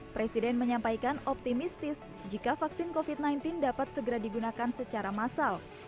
presiden menyampaikan optimistis jika vaksin covid sembilan belas dapat segera digunakan secara massal